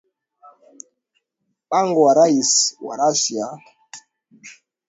Mpango wa Rais wa Russia, Vladmir Putin wa kuikamata Ukraine haraka ni wazi sasa umeshindwa.